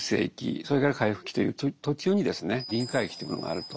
それから回復期という途中にですね臨界期というものがあると。